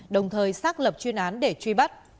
đồng thời xác lập chuyên án để truy bắt